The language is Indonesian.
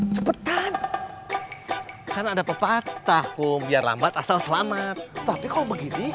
cepetan karena ada pepatah kum biar lambat asal selamat tapi kok begini